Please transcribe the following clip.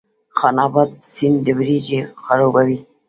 خان اباد سیند وریجې خړوبوي؟